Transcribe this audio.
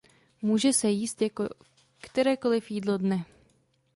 Může se jíst jako kterékoliv jídlo dne.